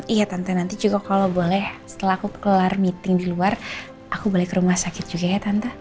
iya tanta nanti juga kalau boleh setelah aku keluar meeting di luar aku boleh ke rumah sakit juga ya tante